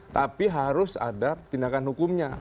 tapi harus ada tindakan hukumnya